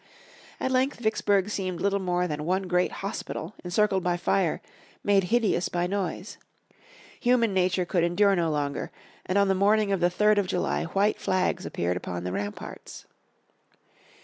At length Vicksburg seemed little more than one great hospital, encircled by fire, made hideous by noise. Human nature could endure no longer, and on the morning of the 3rd of July white flags appeared upon the ramparts.